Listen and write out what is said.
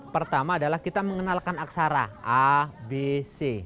pertama adalah kita mengenalkan aksara a b c